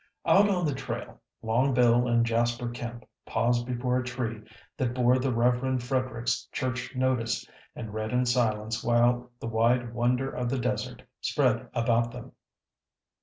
Out on the trail Long Bill and Jasper Kemp paused before a tree that bore the Reverend Frederick's church notice, and read in silence while the wide wonder of the desert spread about them.